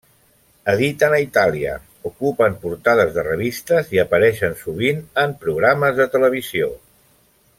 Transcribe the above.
Editen a Itàlia, ocupen portades de revistes i apareixen sovint en programes de televisió.